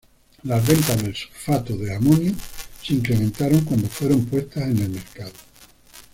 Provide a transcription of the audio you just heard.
Las ventas del sulfato de amonio se incrementaron cuando fueron puestas en el mercado.